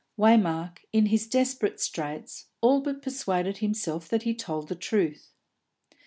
Waymark, in his desperate straits, all but persuaded himself that he told the truth.